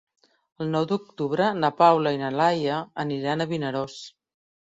El nou d'octubre na Paula i na Laia aniran a Vinaròs.